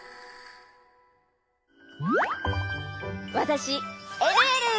わたしえるえる！